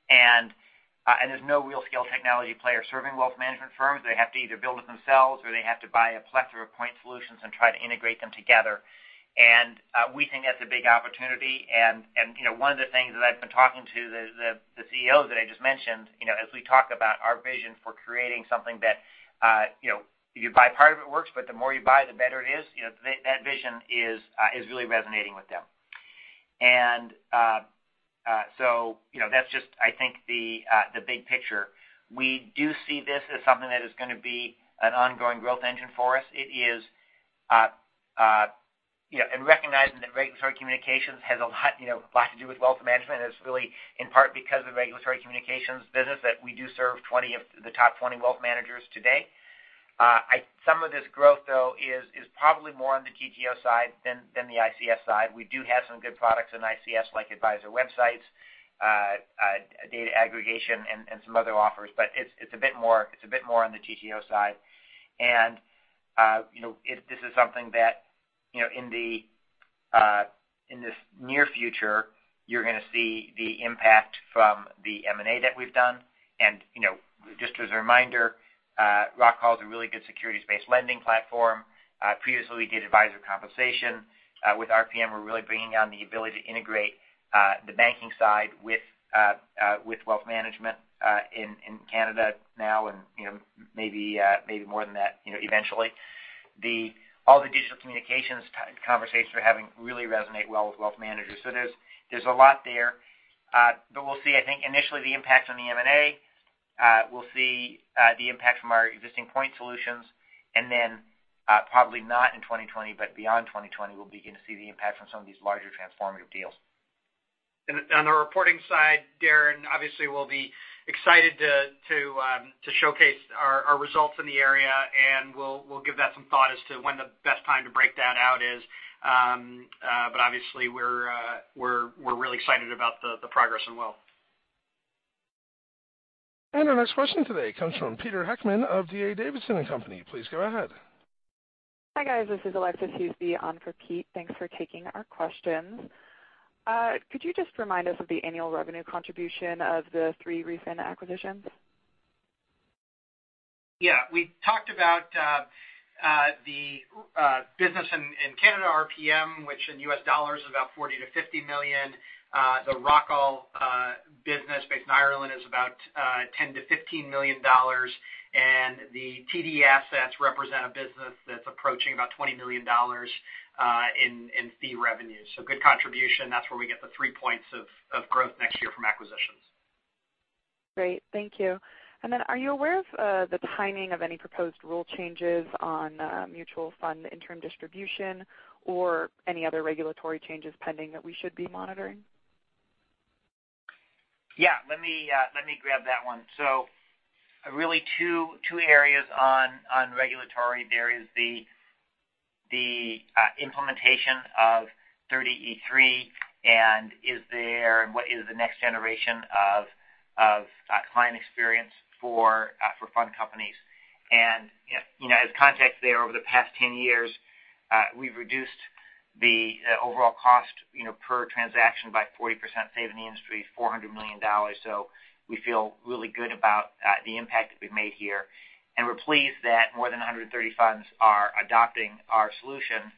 S3: There's no real scale technology player serving wealth management firms. They have to either build it themselves or they have to buy a plethora of point solutions and try to integrate them together. We think that's a big opportunity. One of the things that I've been talking to the CEOs that I just mentioned, as we talk about our vision for creating something that if you buy part of it works, but the more you buy, the better it is. That vision is really resonating with them. That's just I think the big picture. We do see this as something that is going to be an ongoing growth engine for us. It is recognizing that regulatory communications has a lot to do with wealth management. It's really in part because of the regulatory communications business that we do serve the top 20 wealth managers today. Some of this growth, though, is probably more on the GTO side than the ICS side. We do have some good products in ICS, like advisor websites, data aggregation, and some other offers, but it's a bit more on the GTO side. This is something that, in the near future, you're going to see the impact from the M&A that we've done. Just as a reminder, Rockall's a really good securities-based lending platform. Previously did advisor compensation. With RPM, we're really bringing on the ability to integrate the banking side with wealth management in Canada now and maybe more than that eventually. All the digital communications conversations we're having really resonate well with wealth managers. There's a lot there. We'll see, I think, initially the impact on the M&A. We'll see the impact from our existing point solutions, and then probably not in 2020, but beyond 2020, we'll begin to see the impact from some of these larger transformative deals.
S4: On the reporting side, Darrin, obviously we'll be excited to showcase our results in the area, and we'll give that some thought as to when the best time to break that out is. Obviously we're really excited about the progress in wealth.
S1: Our next question today comes from Peter Heckmann of D.A. Davidson & Co. Please go ahead.
S7: Hi, guys. This is Alexis Huseby on for Pete. Thanks for taking our questions. Could you just remind us of the annual revenue contribution of the three recent acquisitions?
S4: Yeah. We talked about the business in Canada, RPM, which in U.S. dollars is about $40 million-$50 million. The Rockall business based in Ireland is about $10 million-$15 million. The TD assets represent a business that's approaching about $20 million in fee revenue. Good contribution. That's where we get the three points of growth next year from acquisitions.
S7: Great. Thank you. Are you aware of the timing of any proposed rule changes on mutual fund interim distribution or any other regulatory changes pending that we should be monitoring?
S3: Let me grab that one. Really two areas on regulatory. There is the implementation of Rule 30e-3 and what is the next generation of client experience for fund companies. As context there, over the past 10 years, we've reduced the overall cost per transaction by 40%, saving the industry $400 million. We feel really good about the impact that we've made here, and we're pleased that more than 130 funds are adopting our solution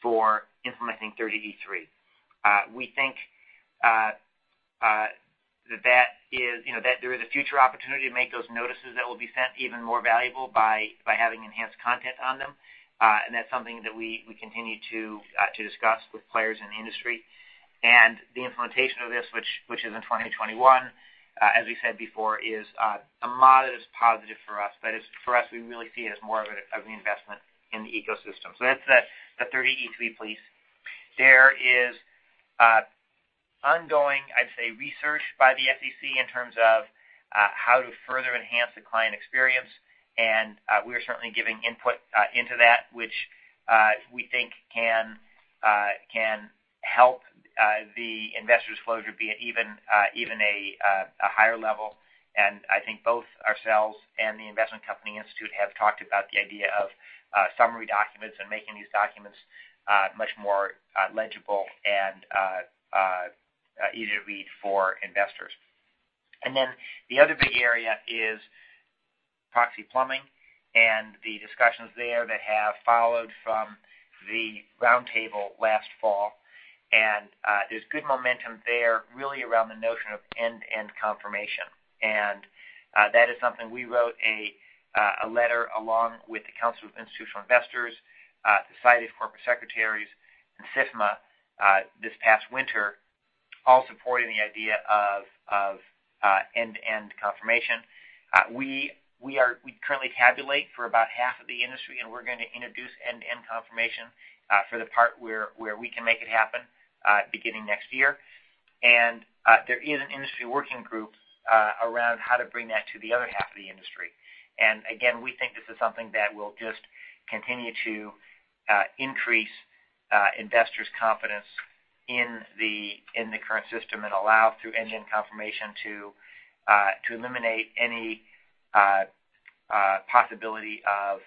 S3: for implementing Rule 30e-3. We think that there is a future opportunity to make those notices that will be sent even more valuable by having enhanced content on them. That's something that we continue to discuss with players in the industry. The implementation of this, which is in 2021, as we said before, is a modest positive for us. For us, we really see it as more of an investment in the ecosystem. That's the 30e-3 piece. There is ongoing, I'd say, research by the SEC in terms of how to further enhance the client experience, and we are certainly giving input into that, which we think can help the investors' closure be at even a higher level. I think both ourselves and the Investment Company Institute have talked about the idea of summary documents and making these documents much more legible and easy to read for investors. The other big area is proxy plumbing and the discussions there that have followed from the roundtable last fall. There's good momentum there, really around the notion of end-to-end confirmation. That is something we wrote a letter along with the Council of Institutional Investors, Society of Corporate Secretaries, and SIFMA this past winter, all supporting the idea of end-to-end confirmation. We currently tabulate for about half of the industry, and we're going to introduce end-to-end confirmation for the part where we can make it happen beginning next year. There is an industry working group around how to bring that to the other half of the industry. Again, we think this is something that will just continue to increase investors' confidence in the current system and allow, through end-to-end confirmation, to eliminate any possibility of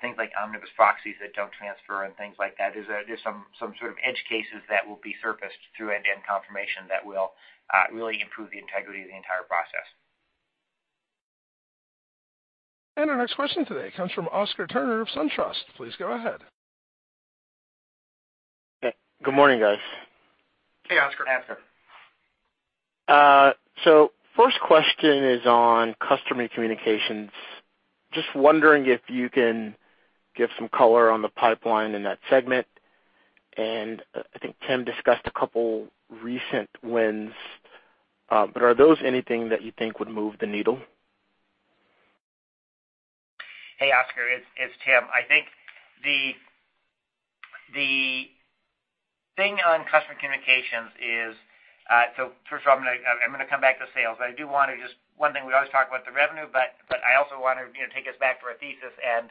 S3: things like omnibus proxies that don't transfer and things like that. There's some sort of edge cases that will be surfaced through end-to-end confirmation that will really improve the integrity of the entire process.
S1: Our next question today comes from Oscar Turner of SunTrust. Please go ahead.
S8: Good morning, guys.
S4: Hey, Oscar.
S3: Hey, Oscar.
S8: First question is on customer communications. Just wondering if you can give some color on the pipeline in that segment. I think Tim discussed a couple recent wins. Are those anything that you think would move the needle?
S3: Hey, Oscar. It's Tim. I think the thing on customer communications. First of all, I'm going to come back to sales. One thing, we always talk about the revenue, but I also want to take us back to our thesis and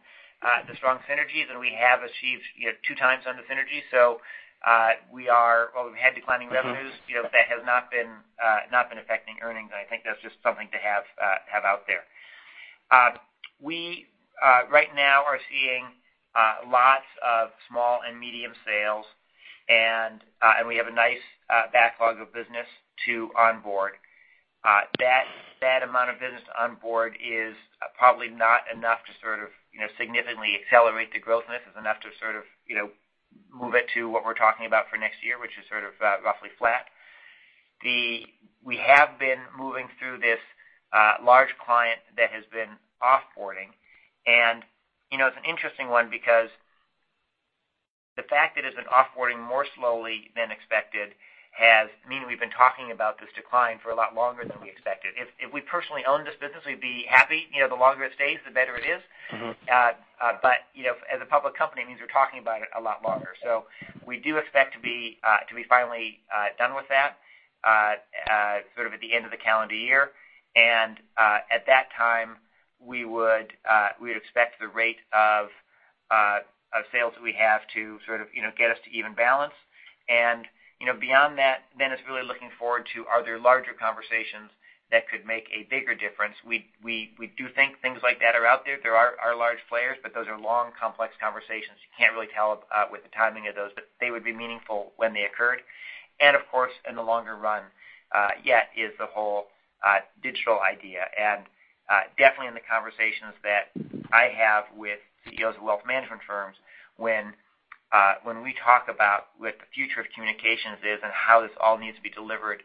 S3: the strong synergies, and we have achieved two times on the synergies. While we've had declining revenues. that has not been affecting earnings, and I think that's just something to have out there. We right now are seeing lots of small and medium sales, and we have a nice backlog of business to onboard. That amount of business to onboard is probably not enough to sort of significantly accelerate the growth. This is enough to sort of move it to what we're talking about for next year, which is sort of roughly flat. We have been moving through this large client that has been off-boarding. It's an interesting one because the fact that it's been off-boarding more slowly than expected has meant we've been talking about this decline for a lot longer than we expected. If we personally owned this business, we'd be happy. The longer it stays, the better it is. As a public company, it means we're talking about it a lot longer. We do expect to be finally done with that sort of at the end of the calendar year. At that time, we would expect the rate of sales we have to sort of get us to even balance. Beyond that, then it's really looking forward to, are there larger conversations that could make a bigger difference? We do think things like that are out there. There are large players, but those are long, complex conversations. You can't really tell with the timing of those, but they would be meaningful when they occurred. Of course, in the longer run, yet is the whole digital idea. Definitely in the conversations that I have with CEOs of wealth management firms, when we talk about what the future of communications is and how this all needs to be delivered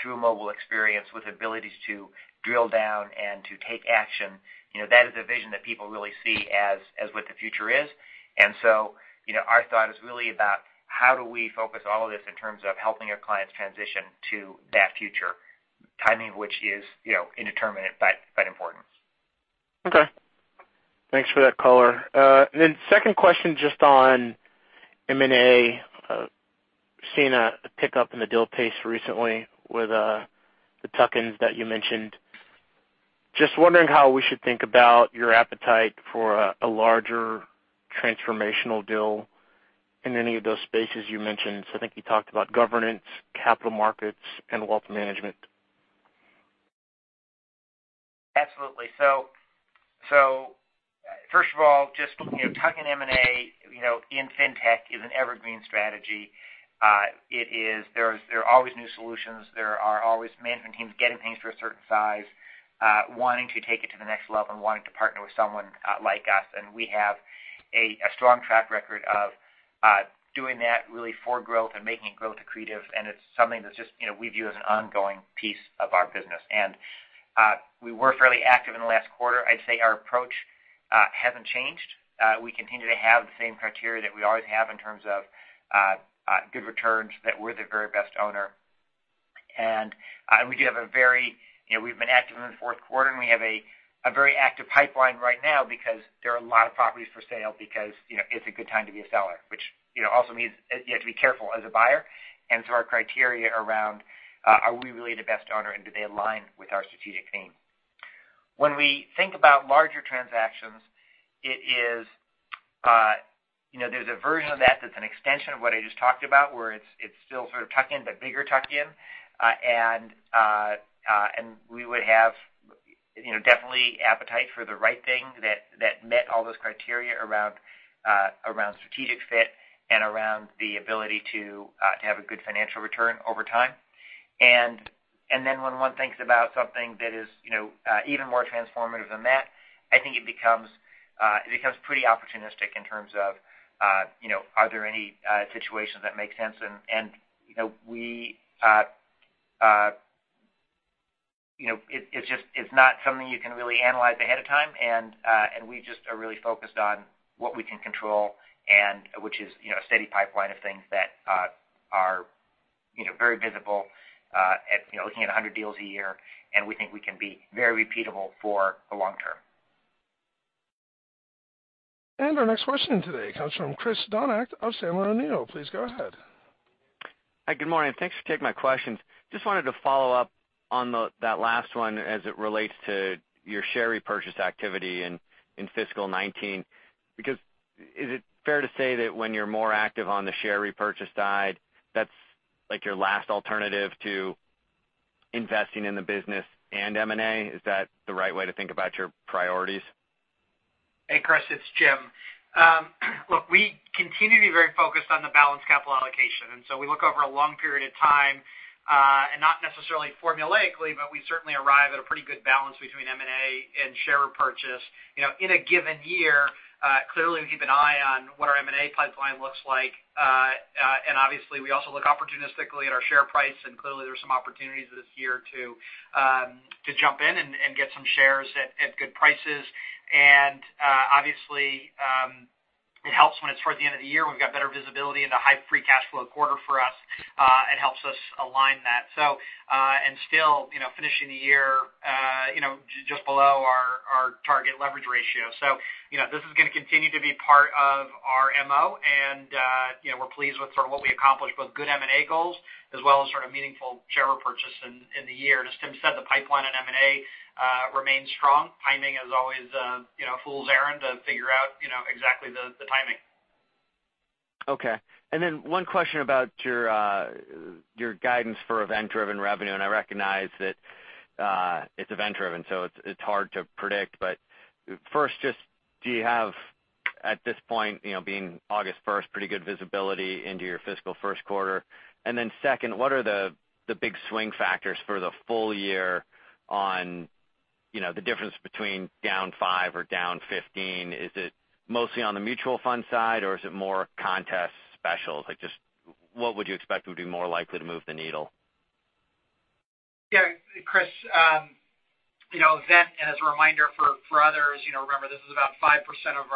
S3: through a mobile experience with abilities to drill down and to take action, that is a vision that people really see as what the future is. Our thought is really about how do we focus all of this in terms of helping our clients transition to that future, timing of which is indeterminate, but important.
S8: Okay. Thanks for that color. Second question, just on M&A. Seeing a pickup in the deal pace recently with the tuck-ins that you mentioned. Just wondering how we should think about your appetite for a larger transformational deal in any of those spaces you mentioned. I think you talked about governance, capital markets, and wealth management.
S3: Absolutely. First of all, just tuck-in M&A in fintech is an evergreen strategy. There are always new solutions. There are always management teams getting things to a certain size, wanting to take it to the next level and wanting to partner with someone like us. We have a strong track record of doing that really for growth and making growth accretive, and it's something that we view as an ongoing piece of our business. We were fairly active in the last quarter. I'd say our approach hasn't changed. We continue to have the same criteria that we always have in terms of good returns, that we're the very best owner. We've been active in the fourth quarter, and we have a very active pipeline right now because there are a lot of properties for sale because it's a good time to be a seller, which also means you have to be careful as a buyer. Our criteria around are we really the best owner and do they align with our strategic theme. When we think about larger transactions, there's a version of that that's an extension of what I just talked about, where it's still sort of tuck-in, but bigger tuck-in. We would have definitely appetite for the right thing that met all those criteria around strategic fit and around the ability to have a good financial return over time. When one thinks about something that is even more transformative than that, I think it becomes pretty opportunistic in terms of are there any situations that make sense? It's not something you can really analyze ahead of time, and we just are really focused on what we can control and which is a steady pipeline of things that are very visible looking at 100 deals a year. We think we can be very repeatable for the long term.
S1: Our next question today comes from Chris Donat of Sandler O'Neill. Please go ahead.
S9: Hi, good morning. Thanks for taking my questions. Just wanted to follow up on that last one as it relates to your share repurchase activity in fiscal 2019. Is it fair to say that when you're more active on the share repurchase side, that's like your last alternative to investing in the business and M&A? Is that the right way to think about your priorities?
S4: Hey, Chris. It's Jim. We continue to be very focused on the balanced capital allocation. We look over a long period of time, and not necessarily formulaically, but we certainly arrive at a pretty good balance between M&A and share repurchase. In a given year, clearly we keep an eye on what our M&A pipeline looks like. Obviously, we also look opportunistically at our share price, and clearly there's some opportunities this year to jump in and get some shares at good prices. It helps when it's towards the end of the year, we've got better visibility into high free cash flow quarter for us, it helps us align that, still finishing the year, just below our target leverage ratio. This is going to continue to be part of our MO and we're pleased with sort of what we accomplished, both good M&A goals as well as sort of meaningful share repurchase in the year. As Tim said, the pipeline on M&A remains strong. Timing is always a fool's errand to figure out exactly the timing.
S9: Okay. One question about your guidance for event-driven revenue, and I recognize that it's event-driven, so it's hard to predict. First, just do you have, at this point, being August 1st, pretty good visibility into your fiscal first quarter? Second, what are the big swing factors for the full year on the difference between down 5% or down 15%? Is it mostly on the mutual fund side or is it more contest specials? Like just what would you expect would be more likely to move the needle?
S4: Yeah. Chris, event, as a reminder for others, remember this is about 5% of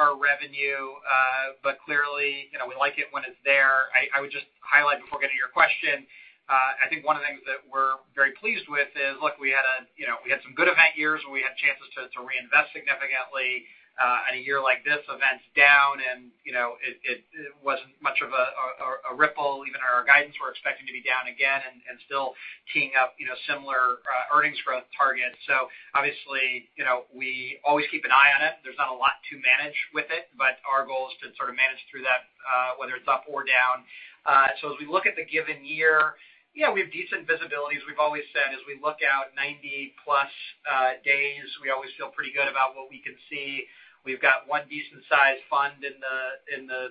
S4: our revenue. Clearly, we like it when it's there. I would just highlight before getting to your question, I think one of the things that we're very pleased with is, look, we had some good event years where we had chances to reinvest significantly. In a year like this, events down and it wasn't much of a ripple, even in our guidance we're expecting to be down again and still teeing up similar earnings growth targets. Obviously, we always keep an eye on it. There's not a lot to manage with it, our goal is to sort of manage through that, whether it's up or down. As we look at the given year, we have decent visibilities. We've always said as we look out 90+ days, we always feel pretty good about what we can see. We've got one decent size fund in the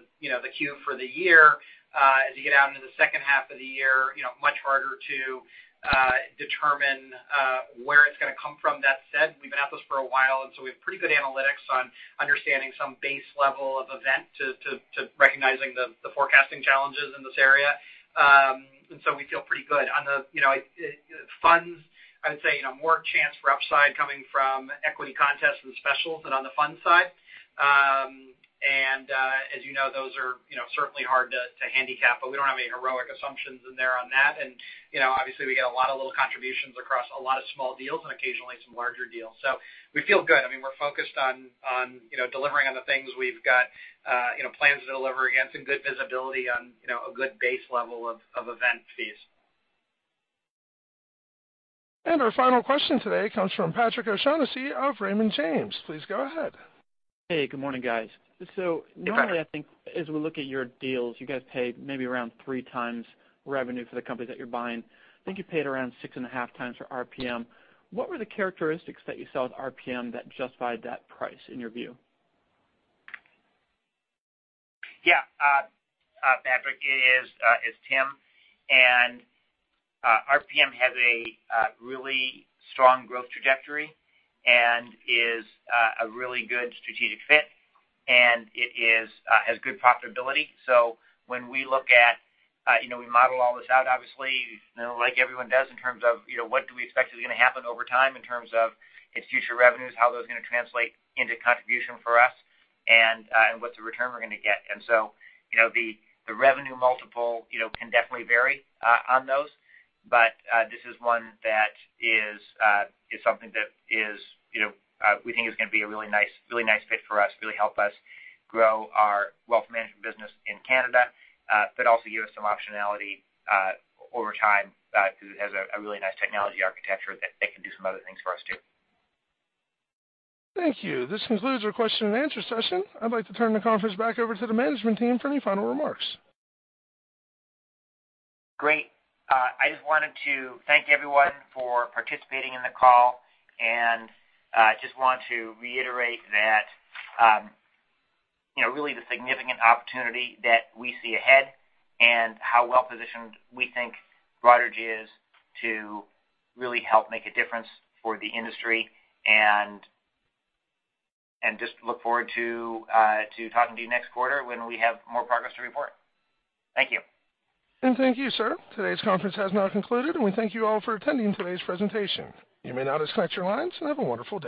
S4: queue for the year. As you get out into the second half of the year, much harder to determine where it's going to come from. That said, we've been at this for a while, we have pretty good analytics on understanding some base level of event to recognizing the forecasting challenges in this area. We feel pretty good. On the funds, I would say, more chance for upside coming from equity contests and specials than on the fund side. As you know, those are certainly hard to handicap, but we don't have any heroic assumptions in there on that. Obviously we get a lot of little contributions across a lot of small deals and occasionally some larger deals. We feel good. I mean, we're focused on delivering on the things we've got plans to deliver and some good visibility on a good base level of event fees.
S1: Our final question today comes from Patrick O'Shaughnessy of Raymond James. Please go ahead.
S10: Hey, good morning, guys.
S4: Hey, Patrick.
S10: Normally, I think as we look at your deals, you guys pay maybe around three times revenue for the company that you're buying. I think you paid around six and a half times for RPM. What were the characteristics that you saw with RPM that justified that price in your view?
S3: Patrick, it is Tim. RPM has a really strong growth trajectory and is a really good strategic fit, and it has good profitability. When we look at, we model all this out, obviously, like everyone does in terms of what do we expect is going to happen over time in terms of its future revenues, how those are going to translate into contribution for us and what the return we're going to get. The revenue multiple can definitely vary on those. This is one that is something that we think is going to be a really nice fit for us, really help us grow our wealth management business in Canada. Also give us some optionality over time because it has a really nice technology architecture that can do some other things for us too.
S1: Thank you. This concludes our question and answer session. I'd like to turn the conference back over to the management team for any final remarks.
S3: Great. I just wanted to thank everyone for participating in the call. Just want to reiterate that really the significant opportunity that we see ahead and how well-positioned we think Broadridge is to really help make a difference for the industry. Just look forward to talking to you next quarter when we have more progress to report. Thank you.
S1: Thank you, sir. Today's conference has now concluded, and we thank you all for attending today's presentation. You may now disconnect your lines, and have a wonderful day.